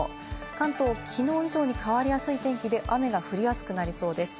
関東、きのう以上に変わりやすい天気で、雨が降りやすくなりそうです。